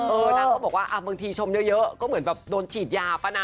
นางก็บอกว่าบางทีชมเยอะก็เหมือนแบบโดนฉีดยาป่ะนะ